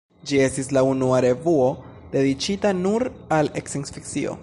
Ĝi estis la unua revuo dediĉita nur al sciencfikcio.